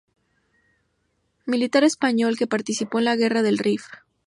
Militar español que participó en la Guerra del Rif.